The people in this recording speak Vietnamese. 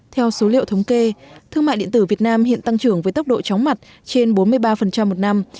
theo số liệu thống kê thương mại điện tử việt nam hiện tăng trưởng với tốc độ chóng mặt trên bốn mươi ba một năm